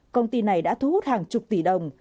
công ty này đã thu hút hàng chục tỷ đồng